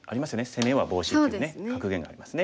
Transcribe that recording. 「攻めはボウシ」っていうね格言がありますね。